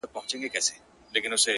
پر تېر سوى دئ ناورين د زورورو!.